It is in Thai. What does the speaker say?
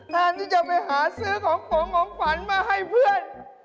แทนที่จะไปหาซื้อของฝงของขวัญมาให้เพื่อน